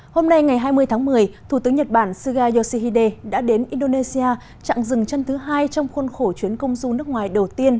hôm nay ngày hai mươi tháng một mươi thủ tướng nhật bản suga yoshihide đã đến indonesia chặng dừng chân thứ hai trong khuôn khổ chuyến công du nước ngoài đầu tiên